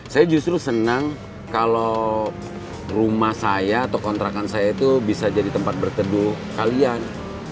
saya justru senang kalau rumah saya atau kontrakan saya itu bisa jadi tempat berteduh kalian